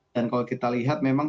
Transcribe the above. dan kalau kita lihat memang